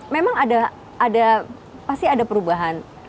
memang ada pasti ada perubahan